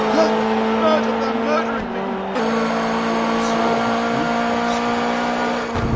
help! murder! they are murdering me!" The sound of my own voice awoke me.